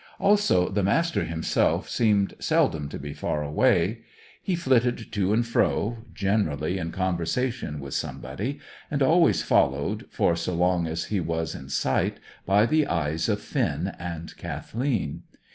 Also, the Master himself seemed seldom to be far away. He flitted to and fro, generally in conversation with somebody, and always followed, for so long as he was in sight, by the eyes of Finn and Kathleen.